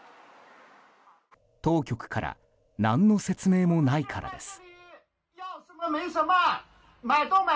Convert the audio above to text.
当局から何の説明もないからです。